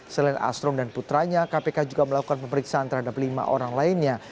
selain astrom dan putranya kpk juga melakukan pemeriksaan terhadap lima orang lainnya